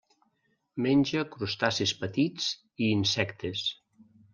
Menja crustacis petits i insectes.